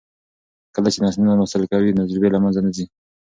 کله چې نسلونه لوستل کوي، تجربې له منځه نه ځي.